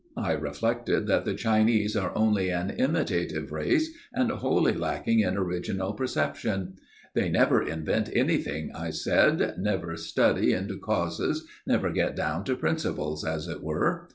I reflected that the Chinese are only an imitative race, and wholly lacking in original perception. 'They never invent anything,' I said; 'never study into causes, never get down to principles, as it were.